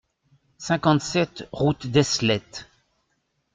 cinquante-sept route d'Eslettes